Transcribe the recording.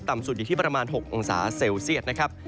สุดอยู่ที่ประมาณ๖องศาเซลเซียตนะครับ